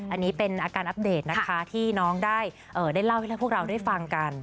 อันนี้เป็นอาการอัปเดตนะคะที่น้องได้เล่าให้พวกเราได้ฟังกัน